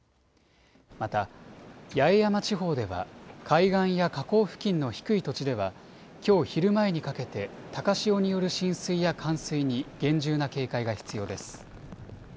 また、八重山地方では海岸や河口付近の低い土地ではきょう昼前にかけて高潮による浸水や冠水に厳重な警戒が必要です。